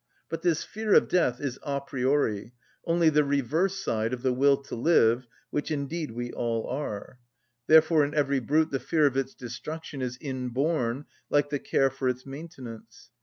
But this fear of death is a priori only the reverse side of the will to live, which indeed we all are. Therefore in every brute the fear of its destruction is inborn, like the care for its maintenance.